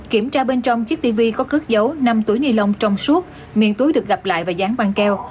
kiểm tra bên trong chiếc tv có cước dấu năm tuổi nhi lông trong suốt miền túi được gặp lại và dán băng keo